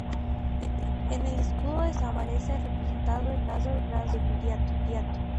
En el escudo de Zamora aparece representado el brazo de Viriato.